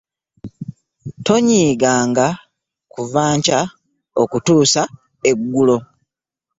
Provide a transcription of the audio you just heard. Tonyiiganga kuva nkya okutuusa eggulo.